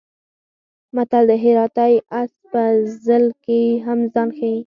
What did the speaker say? متل دی: هراتی اس په ځل کې هم ځان ښي.